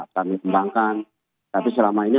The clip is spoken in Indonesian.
kami kembangkan tapi selama ini